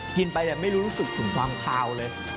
กินไปแต่ไม่รู้สึกถึงความคาวเลย